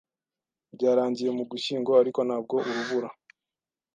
Byarangiye mu Gushyingo, ariko ntabwo urubura.